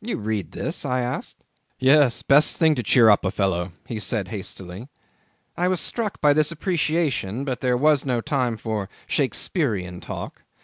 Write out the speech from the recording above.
"You read this?" I asked. "Yes. Best thing to cheer up a fellow," he said hastily. I was struck by this appreciation, but there was no time for Shakespearian talk.